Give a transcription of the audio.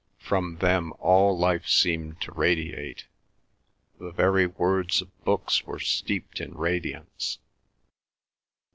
From them all life seemed to radiate; the very words of books were steeped in radiance.